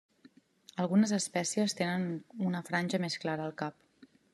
Algunes espècies tenen una franja més clara al cap.